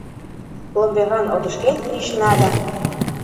Ломберан отышкет мийышна да